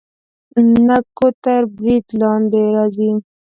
نکو تر برید لاندې راځي.